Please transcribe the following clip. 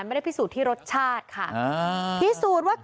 และก็คือว่าถึงแม้วันนี้จะพบรอยเท้าเสียแป้งจริงไหม